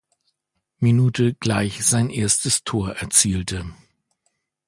Minute gleich sein erstes Tor erzielte.